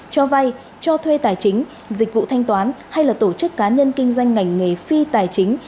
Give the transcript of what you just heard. cho vay cho thuê tài chính dịch vụ thanh toán hay là tổ chức cá nhân kinh doanh ngành nghề phi tài chính